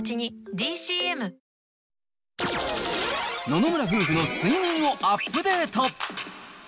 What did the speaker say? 野々村夫婦の睡眠をアップデート。